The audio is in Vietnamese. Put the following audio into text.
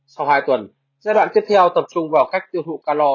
sau hai tuần giai đoạn tiếp theo tập trung vào cách tiêu thụ calor